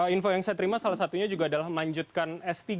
info yang saya terima salah satunya juga adalah melanjutkan s tiga